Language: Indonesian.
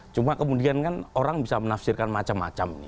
cuma kemudian kan orang bisa menafsirkan macam macam